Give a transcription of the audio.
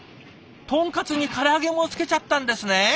トンカツにから揚げもつけちゃったんですね。